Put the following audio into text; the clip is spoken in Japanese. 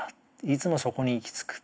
いつもそこに行き着く。